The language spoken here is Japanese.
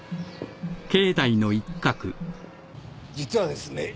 実はですね